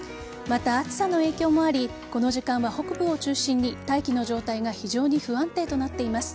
また、暑さの影響もありこの時間は北部を中心に大気の状態が非常に不安定となっています。